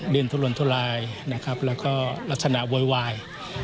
ดินทุลนทุลายนะครับแล้วก็ลักษณะโวยวาย